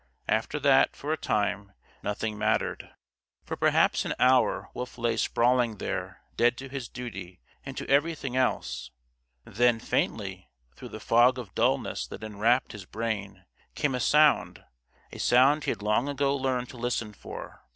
After that, for a time, nothing mattered. For perhaps an hour Wolf lay sprawling there, dead to his duty, and to everything else. Then faintly, through the fog of dullness that enwrapped his brain, came a sound a sound he had long ago learned to listen for.